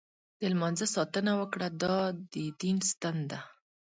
د لمانځه ساتنه وکړه، دا دین ستن ده.